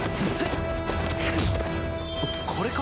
これか？